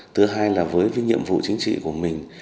thứ hai là với cái nhiệm vụ chính trị của mình